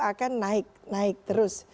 akan naik naik terus